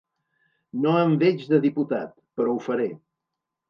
No em veig de diputat però ho faré.